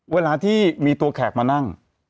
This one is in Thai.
เวลาที่มีตัวแขกมานั่ง